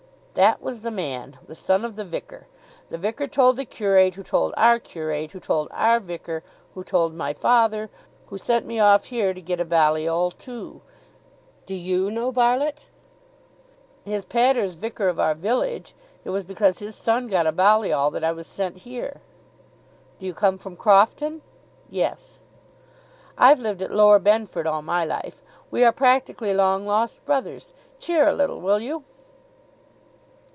"That was the man. The son of the vicar. The vicar told the curate, who told our curate, who told our vicar, who told my father, who sent me off here to get a Balliol too. Do you know Barlitt?" "His pater's vicar of our village. It was because his son got a Balliol that I was sent here." "Do you come from Crofton?" "Yes." "I've lived at Lower Benford all my life. We are practically long lost brothers. Cheer a little, will you?"